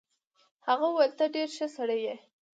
هغه وویل ته ډېر ښه سړی یې.